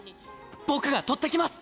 僕が取ってきます！